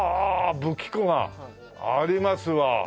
武器庫がありますわ。